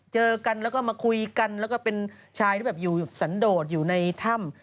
เจอกันแล้วก็มาคุยกันแล้วก็เป็นชายที่แบบอยู่สันโดดอยู่ในถ้ำ